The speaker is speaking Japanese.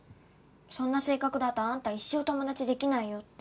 「そんな性格だとあんた一生友達できないよ」